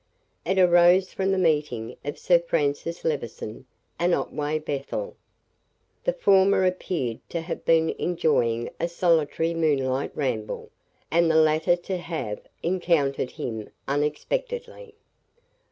It arose from the meeting of Sir Francis Levison and Otway Bethel. The former appeared to have been enjoying a solitary moonlight ramble, and the latter to have encountered him unexpectedly.